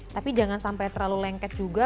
tapi jangan sampai terlalu lengket juga